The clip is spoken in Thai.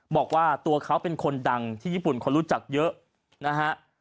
บอกว่าตัวเขาเป็นคนดังที่ญี่ปุ่นคนรู้จักเยอะนะฮะ